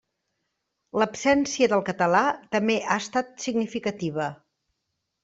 L'absència del català també ha estat significativa.